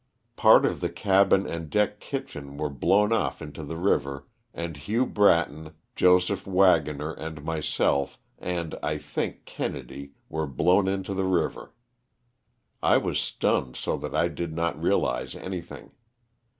Part of the cabin and deck kitchen were blown off into the river and Hugh Bratton, Jo. Wagonner and myself and, I think, Kennedy, were blown into the river. I was stunned so that I did not realize anything.